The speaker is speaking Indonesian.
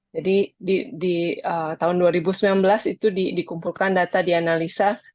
jadi di tahun dua ribu sembilan belas itu dikumpulkan data dianalisa